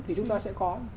thì chúng ta sẽ có